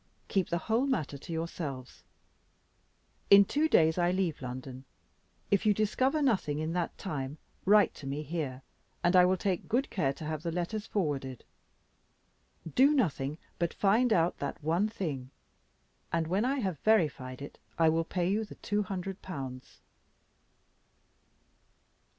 Keep the whole matter to yourselves. In two days, I leave London; if you discover nothing in that time, write to me here, and I will take good care to have the letters forwarded. Do nothing, but find out that one thing, and when I have verified it, I will pay you the two hundred pounds."